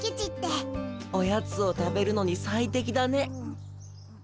おやつを食べるのに最適だね。